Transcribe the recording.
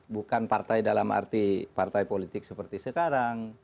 bukan partai dalam arti partai politik seperti sekarang